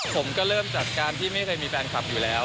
ผมก็เริ่มจากการที่ไม่เคยมีแฟนคลับอยู่แล้ว